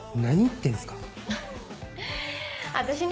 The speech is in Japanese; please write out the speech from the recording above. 何言ってんすか。